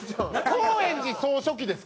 高円寺総書記です。